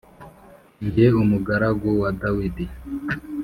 jye umugaragu wa Dawidi